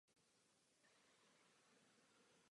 Později se ale se svou stranou rozešel.